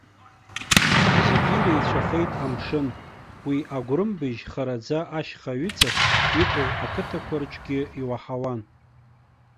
Зегьы иреицәахеит амшын, уи агәрымбыжь хараӡа ашьха аҩыҵахь иҟоу ақыҭақәа рҿгьы иуаҳауан.